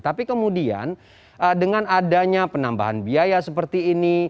tapi kemudian dengan adanya penambahan biaya seperti ini